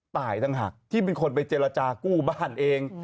ต่างหากที่เป็นคนไปเจรจากู้บ้านเอง